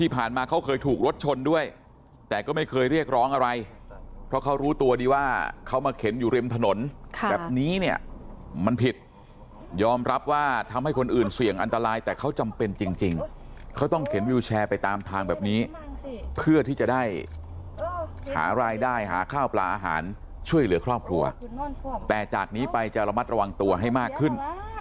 ผ่านมาเขาเคยถูกรถชนด้วยแต่ก็ไม่เคยเรียกร้องอะไรเพราะเขารู้ตัวดีว่าเขามาเข็นอยู่ริมถนนแบบนี้เนี่ยมันผิดยอมรับว่าทำให้คนอื่นเสี่ยงอันตรายแต่เขาจำเป็นจริงเขาต้องเข็นวิวแชร์ไปตามทางแบบนี้เพื่อที่จะได้หารายได้หาข้าวปลาอาหารช่วยเหลือครอบครัวแต่จากนี้ไปจะระมัดระวังตัวให้มากขึ้น